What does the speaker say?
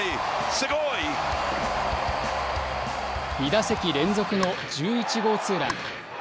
２打席連続の１１号ツーラン。